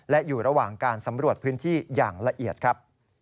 และอยู่ระหว่างการสำรวจพื้นที่อย่างละเอียดครับ